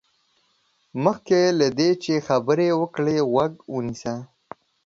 مخکې له دې چې خبرې وکړې، غوږ ونيسه.